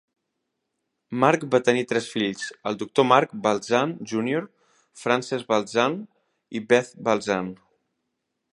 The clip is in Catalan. Marc va tenir tres fills: el doctor Marc Baltzan Junior, Frances Baltzan i Beth Baltzan.